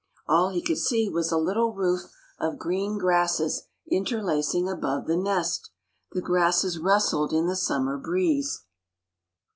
All he could see was a little roof of green grasses interlacing above the nest. The grasses rustled in the summer breeze.